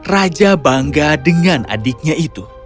raja bangga dengan adiknya itu